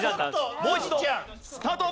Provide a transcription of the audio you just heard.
もう一度スタート。